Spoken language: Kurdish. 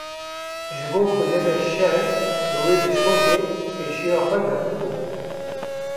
Ji bo ku nebe şerm bi wê bişkokê pêşiya xwe girtibû.